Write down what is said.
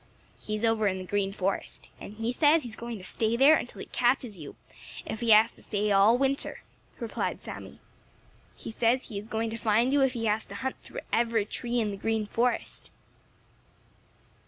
"He's over in the Green Forest, and he says he is going to stay there until he catches you, if he has to stay all winter," replied Sammy. "He says he is going to find you if he has to hunt through every tree in the Green Forest."